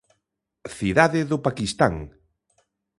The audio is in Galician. Cidade do Paquistán.